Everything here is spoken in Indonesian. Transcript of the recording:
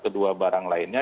kedua barang lainnya